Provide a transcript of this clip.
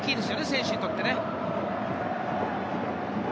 選手にとって。